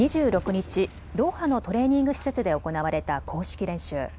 ２６日、ドーハのトレーニング施設で行われた公式練習。